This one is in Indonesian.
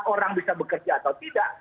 orang bisa bekerja atau tidak